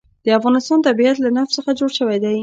د افغانستان طبیعت له نفت څخه جوړ شوی دی.